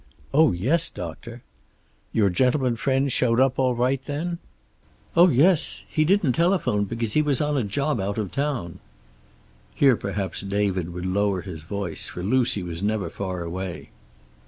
"Oh, yes, doctor." "Your gentleman friend showed up all right, then?" "Oh, yes. He didn't telephone because he was on a job out of town." Here perhaps David would lower his voice, for Lucy was never far away.